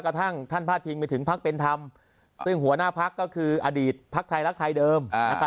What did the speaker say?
กระทั่งท่านพาดพิงไปถึงพักเป็นธรรมซึ่งหัวหน้าพักก็คืออดีตภักดิ์ไทยรักไทยเดิม